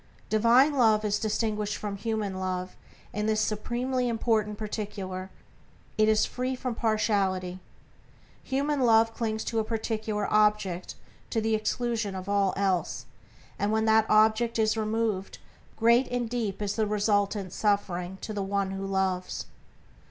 Divine Love is distinguished from human loves in this supremely important particular, it is free from partiality. Human loves cling to a particular object to the exclusion of all else, and when that object is removed, great and deep is the resultant suffering to the one who loves.